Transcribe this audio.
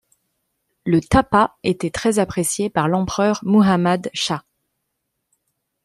Le tappâ était très apprécié par l’empereur Muhammad Shâh.